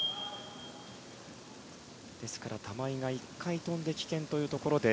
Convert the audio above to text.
ですから玉井が１回飛んで棄権というところで